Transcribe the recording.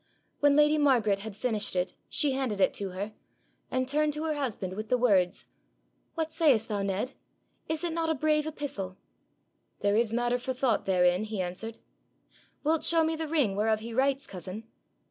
When lady Margaret had finished it she handed it to her, and turned to her husband with the words, 'What sayest thou, Ned? Is it not a brave epistle?' 'There is matter for thought therein,' he answered. 'Wilt show me the ring whereof he writes, cousin?'